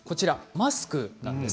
マスクなんです。